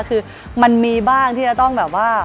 คือมันมีบ้างที่จะต้องแบบว่า